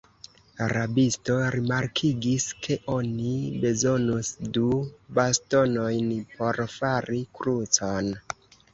Rabisto rimarkigis, ke oni bezonus du bastonojn por fari krucon.